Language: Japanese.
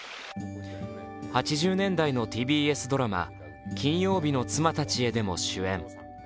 ８０年代のＴＢＳドラマ「金曜日の妻たちへ」でも主演。